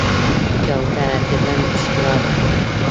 کوتره د بڼ ښکلا ده.